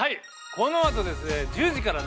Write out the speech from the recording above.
このあとですね１０時からですね